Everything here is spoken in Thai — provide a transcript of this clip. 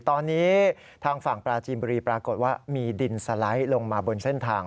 ตอนนี้ทางฝั่งปราจีนบุรีปรากฏว่ามีดินสไลด์ลงมาบนเส้นทาง